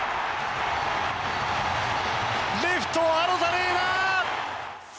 レフト、アロザレーナ！